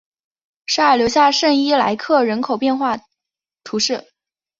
沙尔留下圣伊莱尔人口变化图示